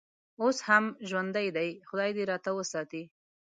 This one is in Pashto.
اوس هم ژوندی دی، خدای دې راته وساتي.